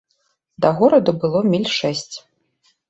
Да гораду было міль шэсць.